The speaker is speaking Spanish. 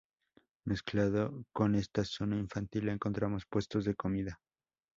Mezclado con esta zona infantil encontramos puestos de comida.